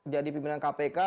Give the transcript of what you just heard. jadi pimpinan kpk